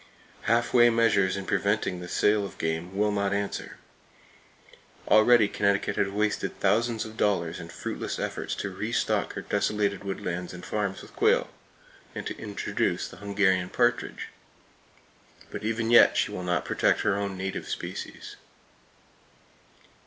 Half way measures in preventing the sale of game will not answer. Already Connecticut has wasted thousands of dollars in fruitless efforts to restock her desolated woodlands and farms with quail, and to introduce the Hungarian partridge; but even yet she will not protect her own native species!